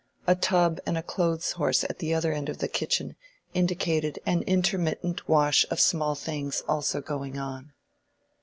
A tub and a clothes horse at the other end of the kitchen indicated an intermittent wash of small things also going on.